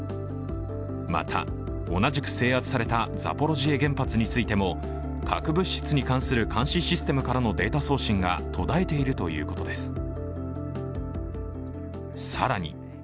また同じ制圧されたザポロジエ原発についても核物質に関する監視システムからのデータ送信が途絶えているということです。